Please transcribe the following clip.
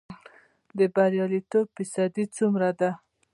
د بریالیتوب فیصدی څومره ده؟